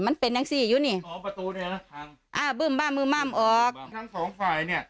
มันเป็นอย่างสิอยู่นี่อ๋อประตูเนี่ยอ่าออกทั้งสองฝ่ายเนี่ย